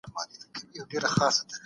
بازار به د پانګي چټک دوران تجربه کړی وي.